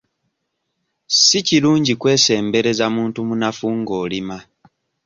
Si kirungi kwesembereza muntu munnafu ng'olima